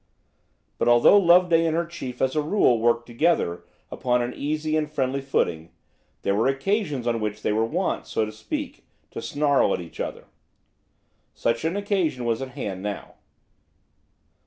But although Loveday and her chief as a rule, worked together upon an easy and friendly footing, there were occasions on which they were wont, so to speak, to snarl at each other. Such an occasion was at hand now.